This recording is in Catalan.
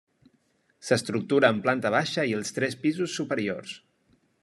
S'estructura en planta baixa i els tres pisos superiors.